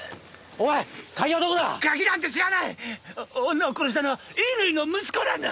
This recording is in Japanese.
お女を殺したのは乾の息子なんだ！